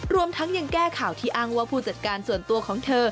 รวมทั้งยังแก้ข่าวที่อ้างว่าผู้จัดการส่วนตัวของเธอ